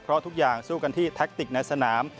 เพราะทุกอย่างสู้กันที่แท็กติกในสนาม